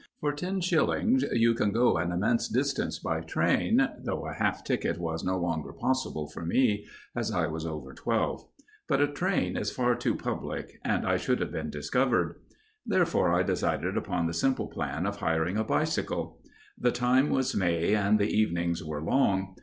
For ten shillings you can go an immense distance by train, though a half ticket was no longer possible for me, as I was over twelve; but a train is far too public and I should have been discovered. Therefore I decided upon the simple plan of hiring a bicycle. The time was May and the evenings were long.